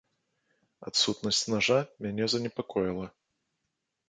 Адсутнасць нажа мяне занепакоіла.